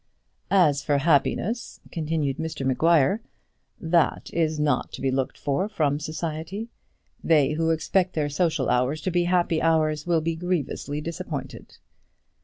"As for happiness," continued Mr Maguire, "that is not to be looked for from society. They who expect their social hours to be happy hours will be grievously disappointed."